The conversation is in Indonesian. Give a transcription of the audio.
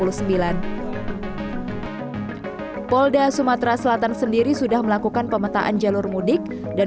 hai polda sumatera selatan sendiri sudah melakukan pemetaan jalur mudik dan